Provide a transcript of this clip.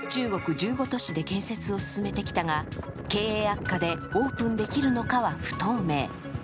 １５都市で建設を進めてきたが、経営悪化でオープンできるのかは不透明。